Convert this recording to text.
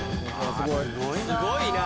すごいな。